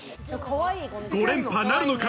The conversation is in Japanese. ５連覇なるのか。